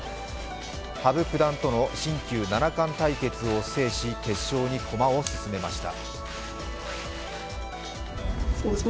羽生九段との新旧七冠対決を制し決勝にこまを進めました。